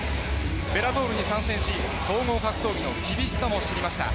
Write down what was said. Ｂｅｌｌａｔｏｒに参戦し総合格闘技の厳しさも知りました。